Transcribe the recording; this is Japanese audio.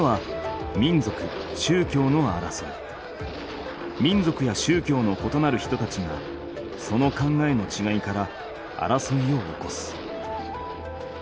４つ目は民族や宗教のことなる人たちがその考えのちがいから争いを起こす。